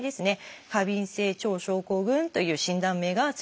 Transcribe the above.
「過敏性腸症候群」という診断名が付いていきます。